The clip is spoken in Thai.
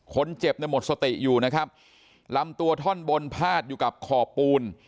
คนเจ็บเนี่ยหมดสติอยู่นะครับลำตัวท่อนบนพาดอยู่กับขอบปูน